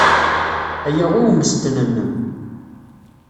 Aya i ummesten-nnem.